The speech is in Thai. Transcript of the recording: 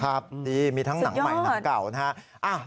ครับดีมีทั้งหนังใหม่หนังเก่านะคะสุดยอด